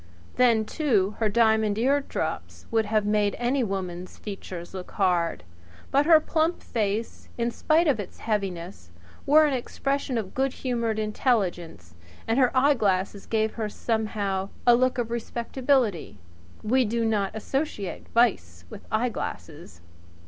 Then, too, her diamond eardrops would have made any woman's features look hard; but her plump face, in spite of its heaviness, wore an expression of good humoured intelligence, and her eyeglasses gave her somehow a look of respectability. We do not associate vice with eyeglasses.